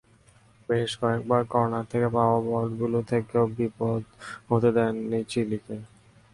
বেশ কয়বার কর্নার থেকে পাওয়া বলগুলো থেকেও বিপদ হতে দেননি চিলিকে।